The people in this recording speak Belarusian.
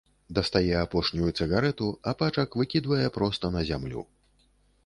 Дастае апошнюю цыгарэту, а пачак выкідвае проста на зямлю.